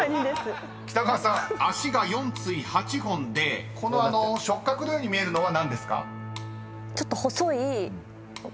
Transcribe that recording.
［北川さん脚が４対８本でこの触角のように見えるのは何ですか？］